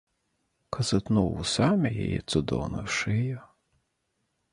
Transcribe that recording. Казытнуў вусамі яе цудоўную шыю.